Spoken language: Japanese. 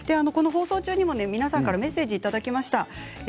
放送中にも皆さんからメッセージをいただきました。